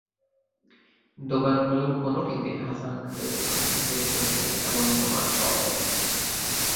দোকানগুলোর কোনোটিতে হাসান খালেদ ওষুধ কিনতে ঢুকেছিলেন, এমন প্রমাণ পাওয়া যায়নি।